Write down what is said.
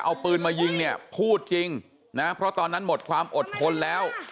เอาปืนมายิงเนี่ยพูดจริงนะเพราะตอนนั้นหมดความอดทนแล้ว